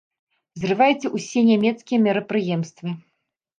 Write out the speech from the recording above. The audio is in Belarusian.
Зрывайце ўсе нямецкія мерапрыемствы!